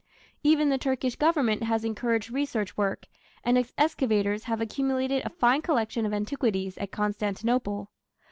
Even the Turkish Government has encouraged research work, and its excavators have accumulated a fine collection of antiquities at Constantinople.